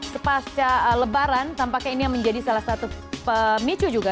sepasca lebaran tampaknya ini yang menjadi salah satu pemicu juga